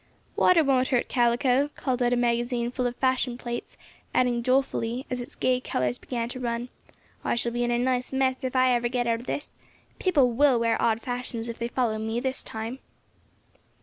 "Water won't hurt calico," called out a magazine full of fashion plates, adding dolefully, as its gay colors began to run, "I shall be in a nice mess if I ever get out of this. People will wear odd fashions if they follow me this time."